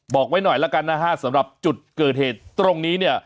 บอกไว้หน่อยแล้วกันนะฮะสำหรับจุดเกิดเหตุตรงนี้เนี่ย